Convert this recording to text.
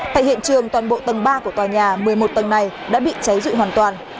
tại hiện trường toàn bộ tầng ba của tòa nhà một mươi một tầng này đã bị cháy rụi hoàn toàn